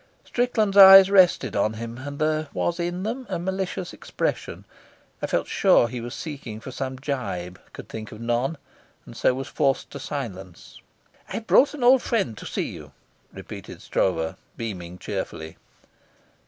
Strickland's eyes rested on him, and there was in them a malicious expression. I felt sure he was seeking for some gibe, could think of none, and so was forced to silence. "I've brought an old friend to see you," repeated Stroeve, beaming cheerfully.